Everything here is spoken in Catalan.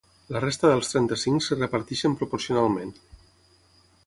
La resta dels trenta-cinc es reparteixen proporcionalment.